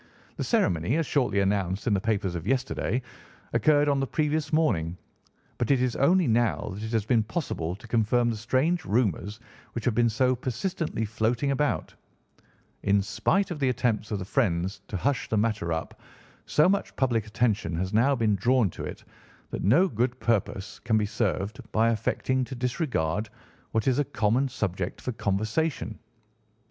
The ceremony, as shortly announced in the papers of yesterday, occurred on the previous morning; but it is only now that it has been possible to confirm the strange rumours which have been so persistently floating about. In spite of the attempts of the friends to hush the matter up, so much public attention has now been drawn to it that no good purpose can be served by affecting to disregard what is a common subject for conversation.